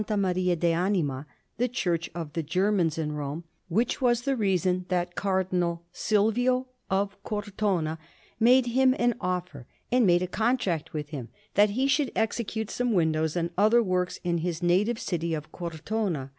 Maria de Anima, the church of the Germans in Rome; which was the reason that Cardinal Silvio of Cortona made him an offer, and made a contract with him that he should execute some windows and other works in his native city of Cortona.